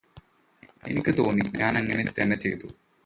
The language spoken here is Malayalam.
എനിക്ക് തോന്നി ഞാനങ്ങനെ തന്നെ ചെയ്തു